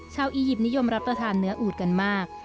อียิปต์นิยมรับประทานเนื้ออูดกันมาก